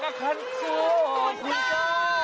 ฟ้าก็คันโซอีโต้